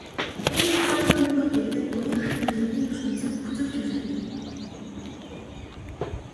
Энэ утгаараа хүүхэд гэдэг уян хатан тэдний ертөнцөд бүх зүйл чөлөөтэй.